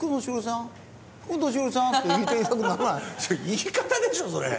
言い方でしょそれ。